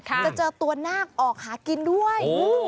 จะเจอตัวนาคออกหากินด้วย